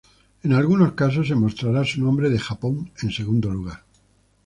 En algunos casos se mostrará su nombre de Japón en segundo lugar.